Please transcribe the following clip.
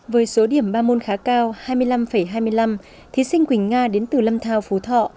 với số điểm ba môn khá cao hai mươi năm hai mươi năm thí sinh quỳnh nga đến từ lâm thao phú thọ